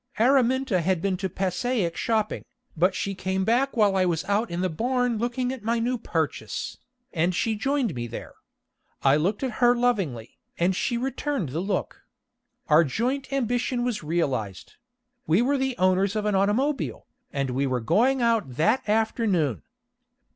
Araminta had been to Passaic shopping, but she came back while I was out in the barn looking at my new purchase, and she joined me there. I looked at her lovingly, and she returned the look. Our joint ambition was realized; we were the owners of an automobile, and we were going out that afternoon.